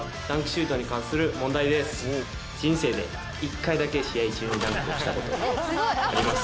人生で１回だけ試合中にダンクをしたことがあります。